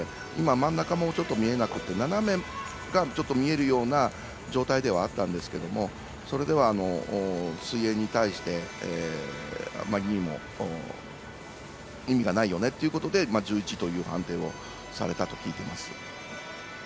真ん中が見えなくて斜めがちょっと見えるような状態ではあったんですがそれでは水泳に対してあまりにも意味がないよねということで１１という判定をされたと聞いています。